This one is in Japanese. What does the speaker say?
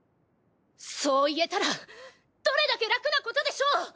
そう言えたらどれだけ楽なことでしょう！